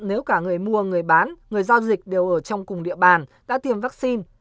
nếu cả người mua người bán người giao dịch đều ở trong cùng địa bàn đã tiêm vaccine